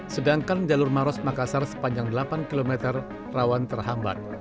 sedangkan jalur maros makassar sepanjang delapan km rawan terhambat